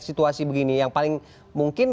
situasi begini yang paling mungkin